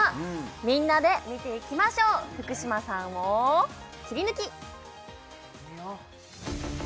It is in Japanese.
みんなで見ていきましょう福嶌さんをキリヌキッ！